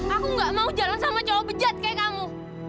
aku gak mau jalan sama cowok bejat kayak kamu